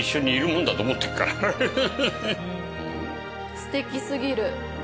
すてきすぎる。